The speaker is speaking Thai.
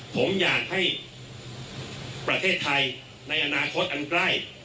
ผมอยากให้ประเทศไทยในอนาคตอันใกล้